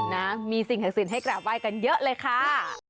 นะมีสิ่งหักศิลป์ให้กราบไว้กันเยอะเลยค่ะ